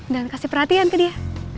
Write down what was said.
kasih perhatian ke dia